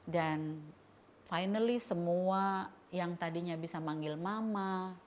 dan akhirnya semua yang tadinya bisa manggil mama